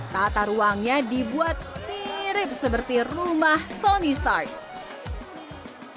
tata ruangnya dibuat mirip seperti rumah tony stark